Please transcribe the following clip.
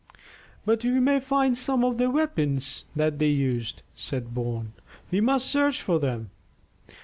"But we may find some of their weapons that they used," said Bourne. "We must search for them."